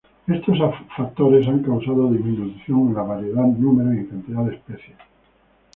Estos factores han causado disminución en la variedad, número y cantidad de especies.